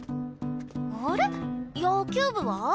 あれ野球部は？